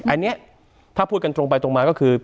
อันนี้ถ้าพูดกันตรงไปตรงมาก็คือ